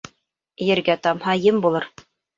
Ергә тамһа, ем булыр.